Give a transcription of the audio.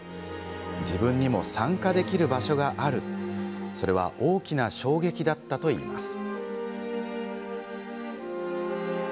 自分にも参加できる場所があるそれは大きな衝撃だったといいます。